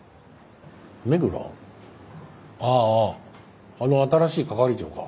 あああの新しい係長か。